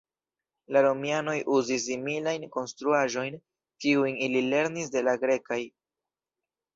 La Romianoj uzis similajn konstruaĵojn, kiujn ili lernis de la grekaj.